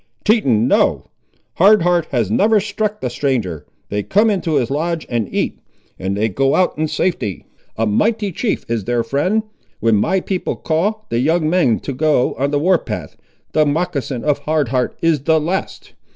"Teton—no! Hard Heart has never struck the stranger. They come into his lodge and eat, and they go out in safety. A mighty chief is their friend! When my people call the young men to go on the war path, the moccasin of Hard Heart is the last.